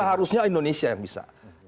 seharusnya indonesia yang bisa